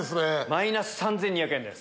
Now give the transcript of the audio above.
マイナス３２００円です。